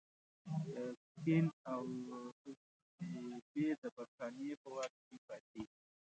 پښین او سیبی د برټانیې په واک کې پاتیږي.